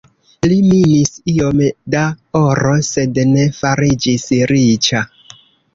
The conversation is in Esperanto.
Li minis iom da oro sed ne fariĝis riĉa.